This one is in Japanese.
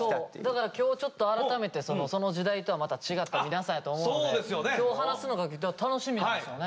だから今日ちょっと改めてその時代とはまた違った皆さんやと思うので今日話すのが楽しみですよね。